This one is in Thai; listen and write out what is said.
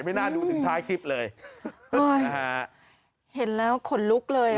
น่าดูถึงท้ายคลิปเลยนะฮะเห็นแล้วขนลุกเลยอ่ะ